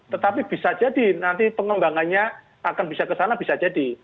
tetapi bisa jadi nanti pengembangannya akan bisa kesana bisa jadi